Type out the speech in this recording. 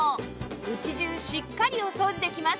家中しっかりお掃除できます